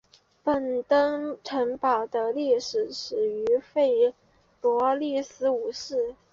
木登城堡的历史始于弗罗里斯五世。